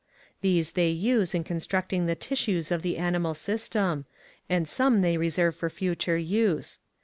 These they use in constructing the tissues of the animal system, and some they reserve for future use.